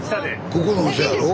ここのお茶やろ？